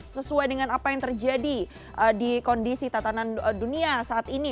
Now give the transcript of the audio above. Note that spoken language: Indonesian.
sesuai dengan apa yang terjadi di kondisi tatanan dunia saat ini